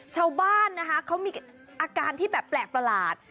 ชาวบ้านนะคะเขามีอาการที่แบบแปลกประหลาด